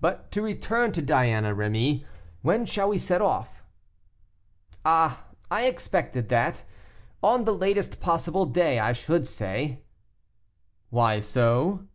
"But to return to Diana, Rémy; when shall we set off?" "Ah! I expected that. On the latest possible day I should say." "Why so?"